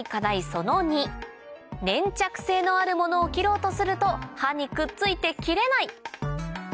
その２粘着性のあるものを切ろうとすると刃にくっついて切れない！